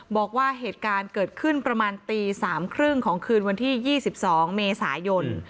บอกว่าเหตุการณ์เกิดขึ้นประมาณตี๓๓๐ของคืนวันที่๒๒เมษายน